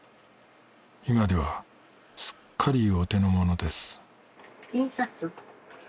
今ではすっかりお手の物です印刷？